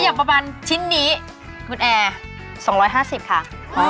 อย่างประมาณชิ้นนี้คุณแอร์๒๕๐ค่ะ